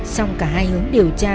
xong cả hai hướng điều tra